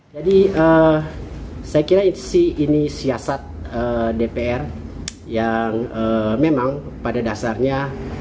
jadi saya kira ini siasat dpr yang memang pada dasarnya